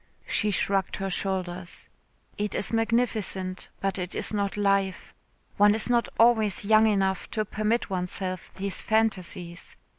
She shrugged her shoulders. "It is magnificent, but it is not life. One is not always young enough to permit oneself these phantasies.